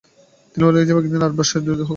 তিনি বললেন, এ যুবক একদিন আরবের বাদশাহ হবেন।